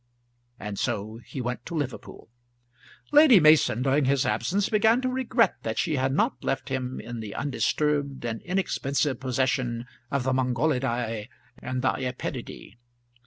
And so he went to Liverpool. Lady Mason during his absence began to regret that she had not left him in the undisturbed and inexpensive possession of the Mongolidae and the Iapetidae.